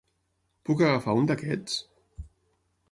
Puc agafar un d'aquests?